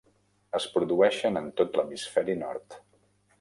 Es produeixen en tot l'hemisferi nord.